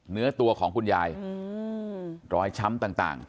เนื้อตัวของคุณยายรอยช้ำต่าง